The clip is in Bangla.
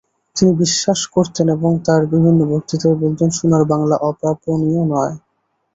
তিনি বিশ্বাস করতেন এবং তাঁর বিভিন্ন বক্তৃতায় বলতেন, সোনার বাংলা অপ্রাপণীয় নয়।